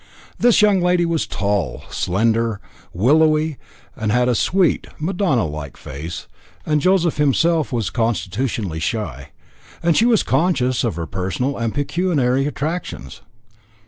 This young lady was tall, slender, willowy, had a sweet, Madonna like face, and like Joseph himself was constitutionally shy; and she was unconscious of her personal and pecuniary attractions.